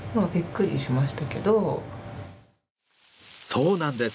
そうなんです！